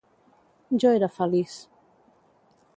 Jo era feliç.